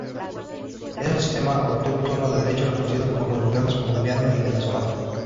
Es un sistema autóctono de derecho reconocido por los gobiernos Colombiano y Venezolano.